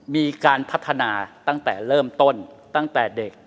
มีการพัฒนาตั้งแต่เริ่มต้นตั้งแต่เด็ก